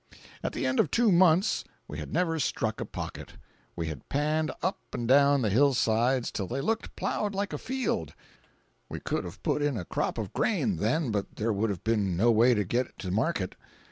At the end of two months we had never "struck" a pocket. We had panned up and down the hillsides till they looked plowed like a field; we could have put in a crop of grain, then, but there would have been no way to get it to market.